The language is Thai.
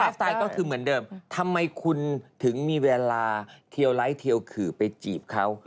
สไตล์ก็คือเหมือนเดิมทำไมคุณถึงมีเวลาเทียวไลท์เทียวขื่อไปจีบเขา